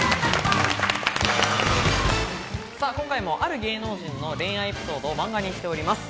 今回もある芸能人の恋愛エピソードを漫画にしております。